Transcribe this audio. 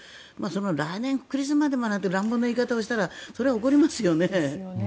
来年クリスマスまでという乱暴な言い方をしたらそれは怒りますよね。